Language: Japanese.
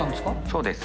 そうです。